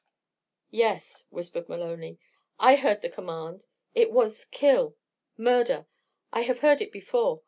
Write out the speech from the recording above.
"Yes," whispered Maloney. "I heard the command. It was 'Kill!' 'Murder!' I have heard it before.